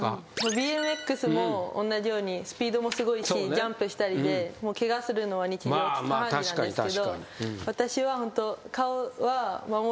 ＢＭＸも同じようにスピードもすごいしジャンプしたりでケガするのは日常茶飯事なんですけど私は顔は守ろうって決めてて。